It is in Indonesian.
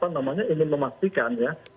perusahaan perusahaan ini mendapatkan kapal